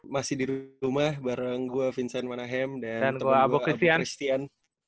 masih di rumah bareng gue vincent manahem dan teman gue abu christian